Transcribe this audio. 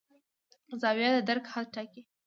زاویه د درک حد ټاکي.